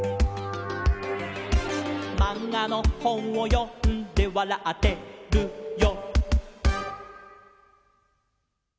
「まんがのほんをよんでわらってるよ」